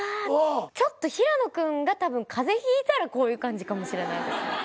ちょっと平野君がたぶん風邪ひいたらこういう感じかもしれないですね。